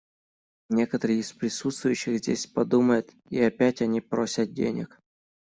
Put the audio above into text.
Некоторые из присутствующих здесь подумают: «И опять они просят денег».